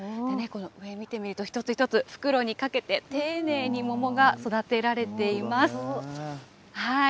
上見てみると、一つ一つ袋にかけて丁寧に桃が育てられています。